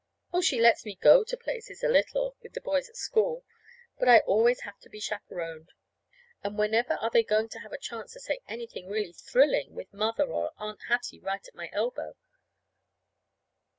Oh, she lets me go to places, a little, with the boys at school; but I always have to be chaperoned. And whenever are they going to have a chance to say anything really thrilling with Mother or Aunt Hattie right at my elbow?